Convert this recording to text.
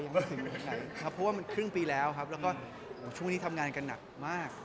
เพราะว่าเป็นครึ่งปีแล้วทางนี้ทำงานการหนักมาก